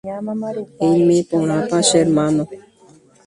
Eime porãpa che hermano.